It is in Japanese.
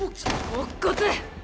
乙骨。